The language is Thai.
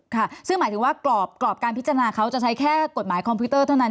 ค่ะซึ่งหมายถึงว่ากรอบการพิจารณาเขาจะใช้แค่กฎหมายคอมพิวเตอร์เท่านั้น